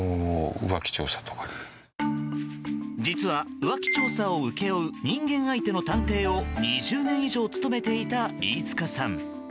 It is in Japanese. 実は浮気調査を請け負う人間相手の探偵を２０年以上勤めていた飯塚さん。